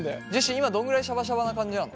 今どんぐらいシャバシャバな感じなの？